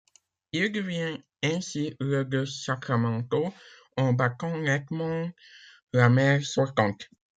Il devient ainsi le de Sacramento en battant nettement la maire sortante.